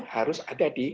harus ada di